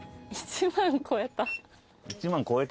１万超えた？